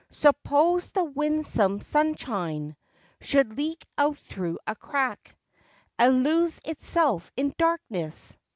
Suppose the "winsome sunshine" Should leak out through a crack And lose itself in darkness.